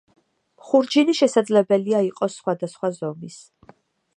ხურჯინი შესაძლებელია იყოს სხვადასხვა ზომის.